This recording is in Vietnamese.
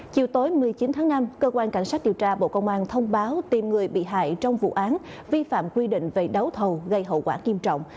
chiều tối một mươi chín tháng năm cơ quan cảnh sát điều tra bộ công an thông báo tìm người bị hại trong vụ án vi phạm quy định về đấu thầu gây hậu quả nghiêm trọng